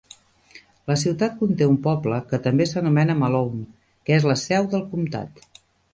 La ciutat conté un poble que també s'anomena Malone, que és la seu del comtat.